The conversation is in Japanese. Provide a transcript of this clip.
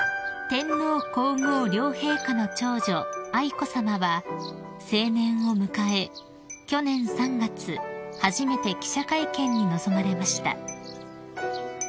［天皇皇后両陛下の長女愛子さまは成年を迎え去年３月初めて記者会見に臨まれました］